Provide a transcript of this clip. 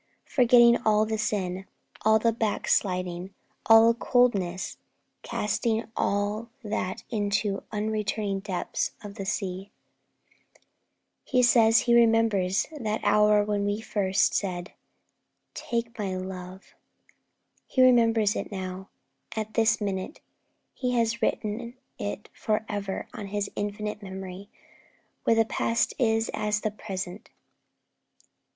Forgetting all the sin, all the backsliding, all the coldness, casting all that into the unreturning depths of the sea, He says He remembers that hour when we first said, 'Take my love.' He remembers it now, at this minute. He has written it for ever on His infinite memory, where the past is as the present.